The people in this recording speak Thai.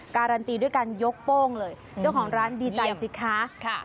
การันตีด้วยการยกโป้งเลยเจ้าของร้านดีใจสิคะ